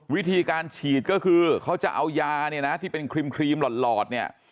วิธีการฉีดก็คือเขาจะเอายาเนี่ยนะที่เป็นครีมหลอดเนี่ย